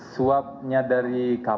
suapnya dari kapan